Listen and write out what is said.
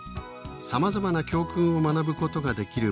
さまざまな教訓を学ぶことができる